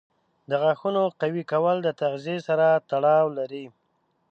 د غاښونو قوي کول د تغذیې سره تړاو لري.